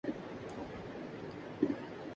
یاد دلانے والی تصاویر بنانا فائدے مند مشق ہے